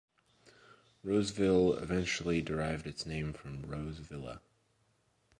Roseville eventually derived its name from "Rose Villa".